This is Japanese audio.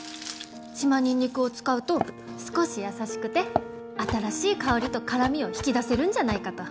島ニンニクを使うと少し優しくて新しい香りと辛みを引き出せるんじゃないかと。